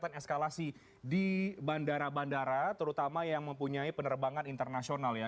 peningkatan eskalasi di bandara bandara terutama yang mempunyai penerbangan internasional ya